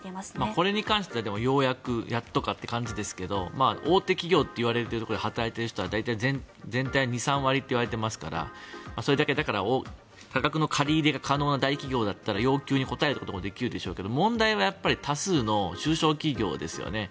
これに関してはようやく、やっとかって感じですけど大手企業といわれるところで働いている人は大体全体の２３割といわれていますからそれだけ多額の借り入れが可能な大企業だったら要求に応えることができるでしょうが問題は多数の中小企業ですよね。